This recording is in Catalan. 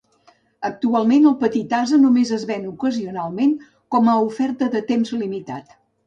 Actualment el petit ase només es ven ocasionalment, com a "oferta de temps limitat".